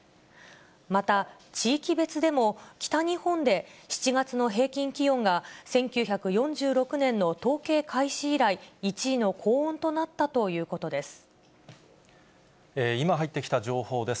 また地域別でも、北日本で、７月の平均気温が、１９４６年の統計開始以来、１位の高温となっ今入ってきた情報です。